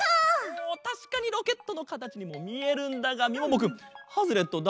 おおたしかにロケットのかたちにもみえるんだがみももくんハズレットだ。